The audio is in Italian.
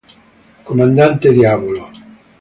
Comandante Diavolo